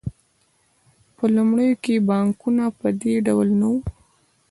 په لومړیو کې بانکونه په دې ډول نه وو